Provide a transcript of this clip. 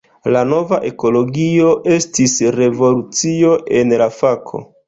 La nova ekologio estis revolucio en la fako.